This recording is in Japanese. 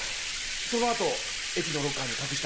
「そのあと駅のロッカーに隠したんです」